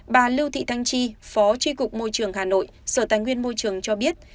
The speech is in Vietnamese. bà lưu thị thanh chi phó tri cục môi trường hà nội sở tài nguyên môi trường cho biết